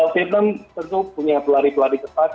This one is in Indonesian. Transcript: vietnam tentu punya peluari peluari tepat